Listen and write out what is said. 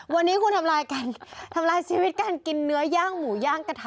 วันนี้คุณทำลายกันทำลายชีวิตการกินเนื้อย่างหมูย่างกระทะ